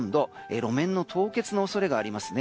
路面凍結の恐れがありますね。